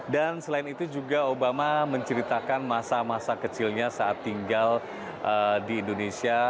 dan selain itu juga obama menceritakan masa masa kecilnya saat tinggal di indonesia